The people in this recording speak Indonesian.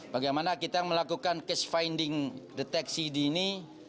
bagaimana kita melakukan case finding deteksi di ini